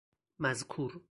مذکور